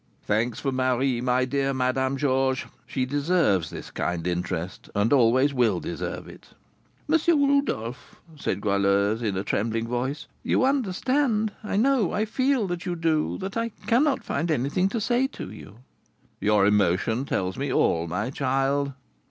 "Thanks for Marie, my dear Madame Georges; she deserves this kind interest, and always will deserve it." "M. Rodolph," said Goualeuse, with a trembling voice, "you understand, I know, I feel that you do, that I cannot find anything to say to you." "Your emotion tells me all, my child."